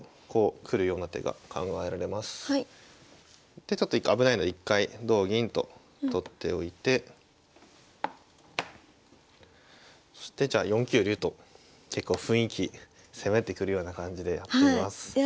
でちょっと一回危ないので一回同銀と取っておいてそして４九竜と結構雰囲気攻めてくるような感じでやっています。